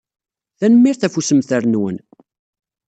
Tanemmirt ɣef ussemter-nwen.